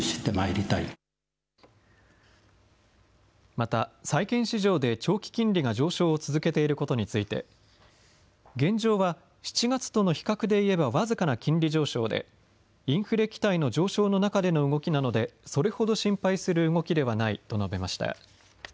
また債券市場で長期金利が上昇を続けていることについて現状は７月との比較でいえば僅かな金利上昇でインフレ期待の上昇の中での動きなのでそれほど心配する動きではないと述べました。